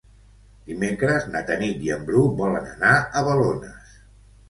Dimecres na Tanit i en Bru volen anar a Balones.